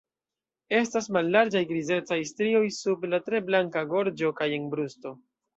Estas mallarĝaj grizecaj strioj sub la tre blanka gorĝo kaj en brusto.